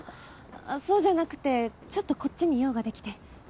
そうじゃなくてちょっとこっちに用ができて。